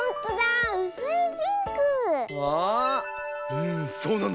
うんそうなんだね。